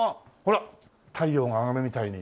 太陽が上がるみたいに。